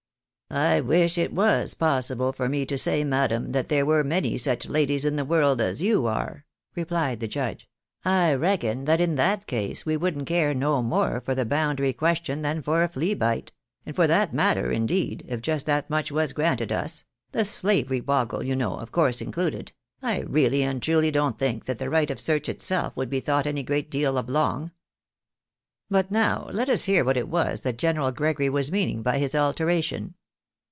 " I wisli it was possible for me to say, madam, that there were many such ladies in the world as you are," replied the judge. " I reckon that in that case we wouldn't care no more for the boun dary question than for a flea bite ; and for that matter, indeed, if just that much was granted us — the slavery boggle, you know, of course included— I really and truly don't think that the right of search itself would be thought any great deal of long. But now let us hear what it was that General Gregory was meaning by his alteration